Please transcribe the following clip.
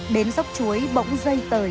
đến dốc chuối bỗng dây tời